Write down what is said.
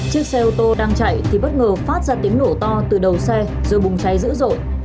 chiếc xe ô tô đang chạy thì bất ngờ phát ra tiếng nổ to từ đầu xe rồi bùng cháy dữ dội